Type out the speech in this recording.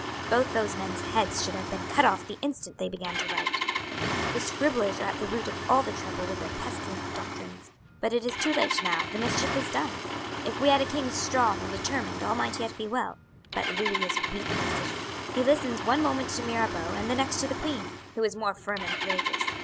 Both those men's heads should have been cut off the instant they began to write. "The scribblers are at the root of all the trouble with their pestilent doctrines; but it is too late now, the mischief is done. If we had a king strong and determined all might yet be well; but Louis is weak in decision, he listens one moment to Mirabeau and the next to the queen, who is more firm and courageous.